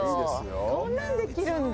こんなんできるんだ。